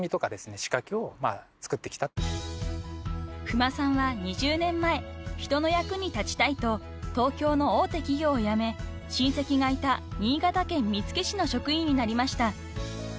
［夫馬さんは２０年前人の役に立ちたいと東京の大手企業を辞め親戚がいた新潟県見附市の職員になりました］